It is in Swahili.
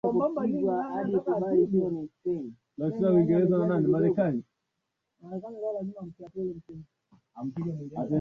elizabeth alikuwa akishirikiana na francis drake na walter raleigh